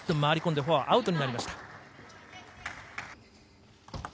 回り込んでフォア、アウトになりました。